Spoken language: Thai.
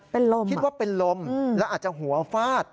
เป็นลมคิดว่าเป็นลมแล้วอาจจะหัวฟาด